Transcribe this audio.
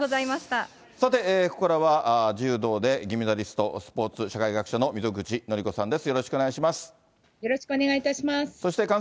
さて、ここからは、柔道で銀メダリスト、スポーツ社会学者の溝口紀子さんです。